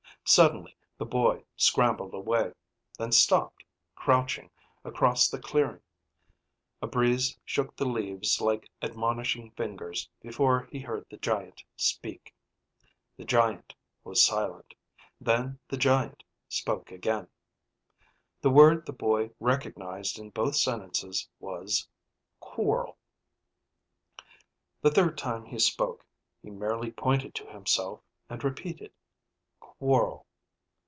Suddenly the boy scrambled away, then stopped, crouching, across the clearing. A breeze shook the leaves like admonishing fingers before he heard the giant speak. The giant was silent. Then the giant spoke again. The word the boy recognized in both sentences was, "... Quorl ..." The third time he spoke, he merely pointed to himself and repeated, "Quorl."